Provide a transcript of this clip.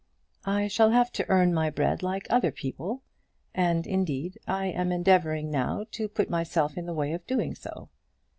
"I shall have to earn my bread like other people; and, indeed, I am endeavouring now to put myself in the way of doing so."